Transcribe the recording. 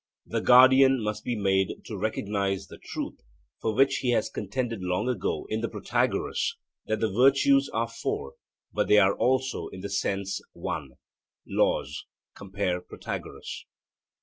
The guardian must be made to recognize the truth, for which he has contended long ago in the Protagoras, that the virtues are four, but they are also in some sense one (Laws; compare Protagoras).